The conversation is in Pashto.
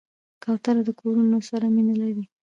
کوتره د کورونو سره مینه لري.